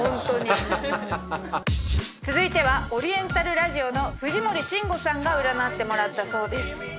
続いてはオリエンタルラジオの藤森慎吾さんが占ってもらったそうです。